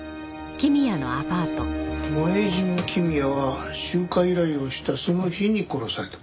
前島公也は集荷依頼をしたその日に殺された。